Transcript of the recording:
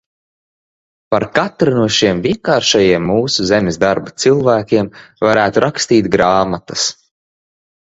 Par katru no šiem vienkāršajiem mūsu zemes darba cilvēkiem varētu rakstīt grāmatas.